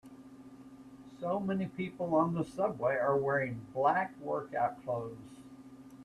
So many people on the subway are wearing black workout clothes.